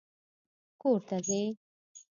کور ته ځې؟